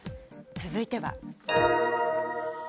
続いては。